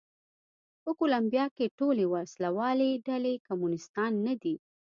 په کولمبیا کې ټولې وسله والې ډلې کمونېستان نه دي.